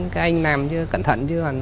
cái anh làm cẩn thận chứ